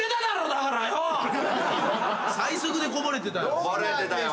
最速でこぼれてたよ。